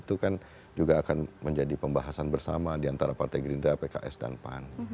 itu kan juga akan menjadi pembahasan bersama diantara partai gerindra pks dan pan